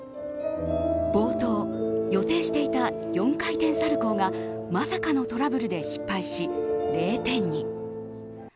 冒頭、予定していた４回転サルコウがまさかのトラブルで失敗し０点に。